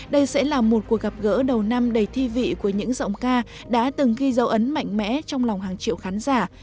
đây sẽ là một cuộc gặp gỡ đầu năm đầy thi vị của những giọng ca đã từng ghi dấu ấn mạnh mẽ trong lòng hàng triệu khán giả